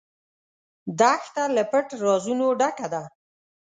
دښته له پټ رازونو ډکه ده.